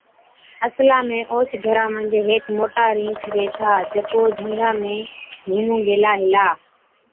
اصلا ۾ اوهچ گھرا منجھ هيڪ موٽا رِينڇ ريهٿا، جڪو جھنگا ۾ گھُمُون گيلا هِلا۔